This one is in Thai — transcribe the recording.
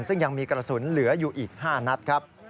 ซึ่งยังมีกระสุนเหลืออยู่อีก๕นัดครับ